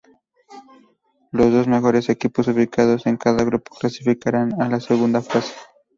Los dos mejores equipos ubicados en cada grupo clasificarán a la segunda fase.